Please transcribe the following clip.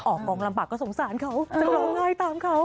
ออกกองลำบากก็สงสารเขาจะร้องไห้ตามเขา